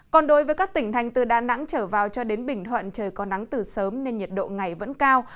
còn đối với các tỉnh thành từ đà nẵng trở vào cho đến bình thuận trời có nắng từ sớm nên nhiệt độ ngày vẫn cao